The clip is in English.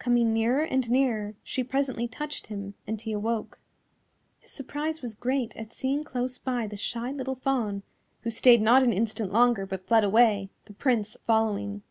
Coming nearer and nearer she presently touched him and he awoke. His surprise was great at seeing close by the shy little Fawn, who stayed not an instant longer but fled away, the Prince following.